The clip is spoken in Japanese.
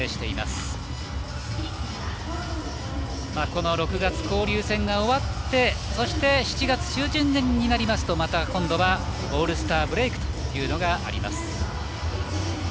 この６月、交流戦が終わってそして７月中旬になりますと今度はオールスター戦があります。